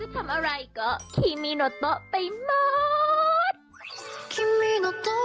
จะทำอะไรก็คิมีโนโตไปหมด